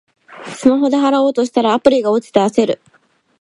スマホで払おうとしたら、アプリが落ちて焦る